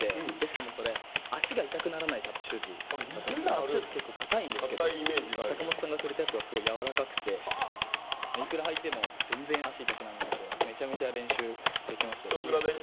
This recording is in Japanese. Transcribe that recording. タップシューズ結構かたいんですけど坂本さんがくれたやつはすごいやわらかくていくら履いても全然足痛くなんないんでめちゃめちゃ練習できます。